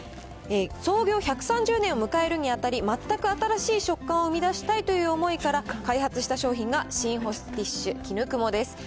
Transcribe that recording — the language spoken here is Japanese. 創業１３０年を迎えるにあたり、全く新しい触感を生み出したいという思いから、開発した商品が、新保湿ティッシュ絹雲です。